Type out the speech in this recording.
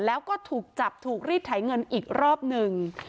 แล้วก็ถูกจับถูกรีดไถเงินอีกรอบหนึ่ง